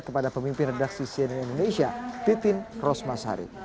kepada pemimpin redaksi cnn indonesia titin rosmasari